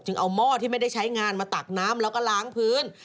เอาหม้อที่ไม่ได้ใช้งานมาตักน้ำแล้วก็ล้างพื้น